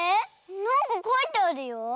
なんかかいてあるよ。